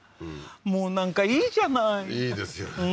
もうなんかいいじゃないいいですよね